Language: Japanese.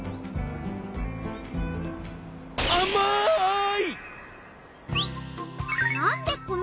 あまい！